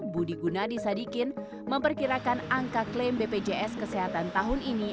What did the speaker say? budi gunadi sadikin memperkirakan angka klaim bpjs kesehatan tahun ini